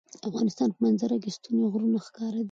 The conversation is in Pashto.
د افغانستان په منظره کې ستوني غرونه ښکاره ده.